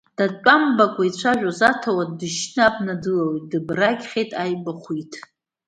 Датәамбакәа ицәажәаз аҭауад дышьны, абна дылалт, дыбрагьхеит Аиба Хәиҭ.